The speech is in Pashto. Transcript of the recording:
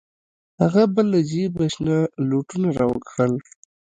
هغه به له جيبه شنه لوټونه راوکښل.